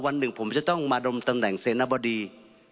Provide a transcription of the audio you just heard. วันหนึ่งผมจะต้องมาดมตำแหน่งเศรษฐ์นบดี